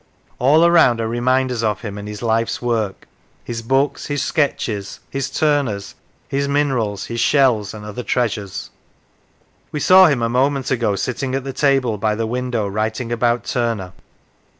All around are reminders of him and his life's work his books, his sketches, his Turners, his minerals, his shells, and other treasures. We saw him a moment ago sitting at the table by the window writing about Turner.